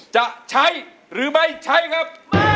จะใช้หรือไม่ใช้ครับ